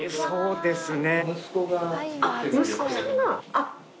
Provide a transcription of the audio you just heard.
そうですね。